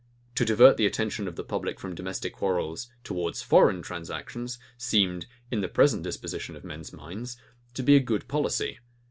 To divert the attention of the public from domestic quarrels towards foreign transactions, seemed, in the present disposition of men's minds, to be good policy.